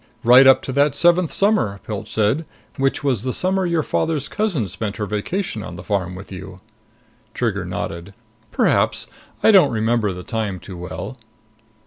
"Right up to that seventh summer," Pilch said. "Which was the summer your father's cousin spent her vacation on the farm with you." Trigger nodded. "Perhaps. I don't remember the time too well."